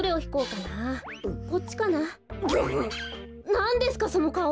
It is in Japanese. なんですかそのかお。